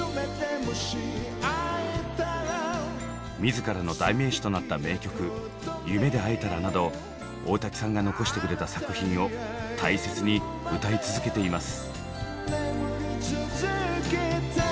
自らの代名詞となった名曲「夢でえたら」など大滝さんが残してくれた作品を大切に歌い続けています。